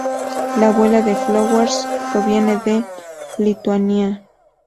La abuela de Flowers proviene de Lituania.